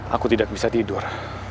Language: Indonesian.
aku tidak bisa tidur